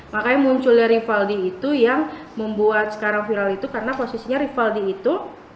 makanya munculnya rivaldi itu yang membuat sekarang viral itu karena posisinya rivaldi itu